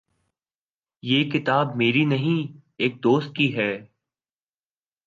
یہ کتاب میری نہیں ہے۔ ایک دوست کی ہے